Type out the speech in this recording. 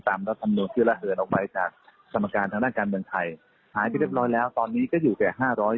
ต้องตีความในข้อบันคับขี้๔๑